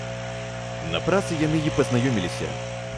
На працы яны і пазнаёміліся.